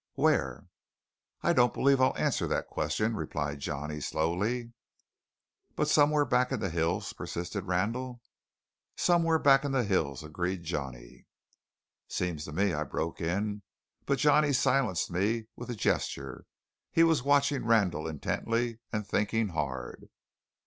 "Where?" "I don't believe I'll answer that question," replied Johnny slowly. "But somewhere back in the hills?" persisted Randall. "Somewhere back in the hills," agreed Johnny. "Seems to me " I broke in, but Johnny silenced me with a gesture. He was watching Randall intently, and thinking hard.